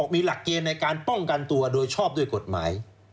มีหลักเกณฑ์ในการป้องกันตัวโดยชอบด้วยกฎหมาย